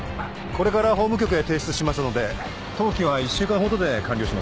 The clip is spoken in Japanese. これから法務局へ提出しますので登記は１週間ほどで完了します。